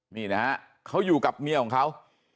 นี่นะฮะเขาอยู่กับเมียของเขา